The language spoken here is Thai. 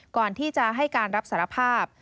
ก่อนที่จะให้การรับสารภาพ